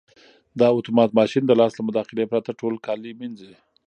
دا اتومات ماشین د لاس له مداخلې پرته ټول کالي مینځي.